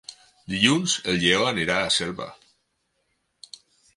Dilluns en Lleó anirà a Selva.